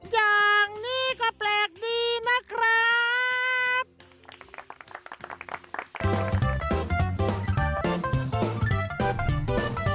อย่างนี้ก็แปลกดีนะครับ